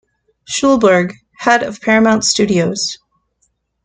Schulberg, head of Paramount Studios.